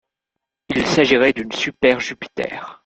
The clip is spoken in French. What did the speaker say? Il s'agirait d'une super-Jupiter.